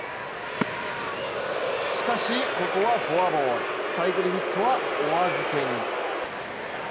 しかしここはフォアボールサイクルヒットはお預けに。